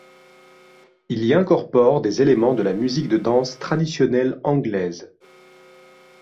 Il y incorpore des éléments de la musique de danse traditionnelle anglaise.